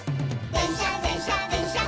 「でんしゃでんしゃでんしゃっ